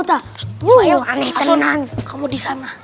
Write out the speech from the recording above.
asun kamu disana